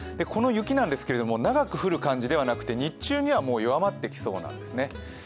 この雪なんですけれども、長く降る感じではなくて日中には弱まってきそうなんです。